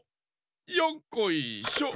よっこいしょ。